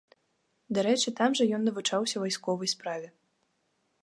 Дарэчы, там жа ён навучаўся вайсковай справе.